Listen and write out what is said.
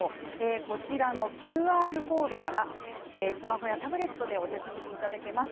こちらのＱＲコードからスマホやタブレットでお手続きいただけます。